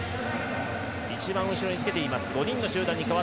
一番後ろにつけています。